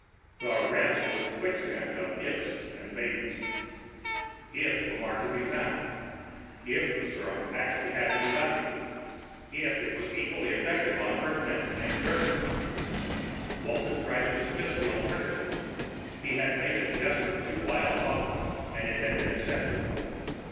The rest was a quicksand of ifs and maybes. If Lamarre could be found.... If the serum actually had any value.... If it was equally effective on Earthmen and Dirnans.... Walton tried to dismiss the alternatives. He had made a desperately wild offer, and it had been accepted.